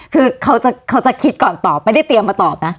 คือเขาจะคิดก่อนตอบไม่ได้เตรียมมาตอบนะ